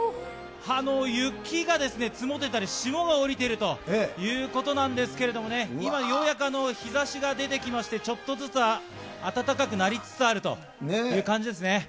雪が積もってたり、霜が降りているということなんですけれどもね、今、ようやく日ざしが出てきまして、ちょっとずつ暖かくなりつつあるという感じですね。